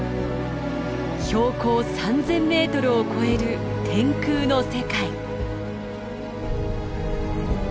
標高３，０００メートルを超える天空の世界。